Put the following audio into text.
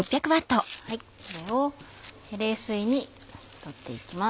これを冷水に取っていきます。